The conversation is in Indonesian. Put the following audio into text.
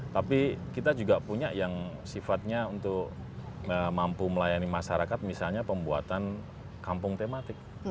tapi kita juga punya yang sifatnya untuk mampu melayani masyarakat misalnya pembuatan kampung tematik